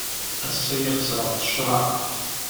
Ass-agi xeṣreɣ-d ccreɛ.